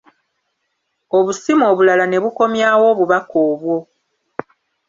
Obusimu obulala ne bukomyawo obubaka obwo.